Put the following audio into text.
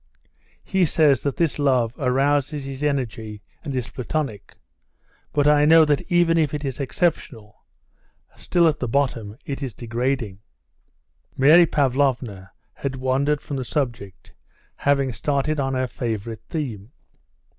He says that this love arouses his energy and is Platonic, but I know that even if it is exceptional, still at the bottom it is degrading." Mary Pavlovna had wandered from the subject, having started on her favourite theme.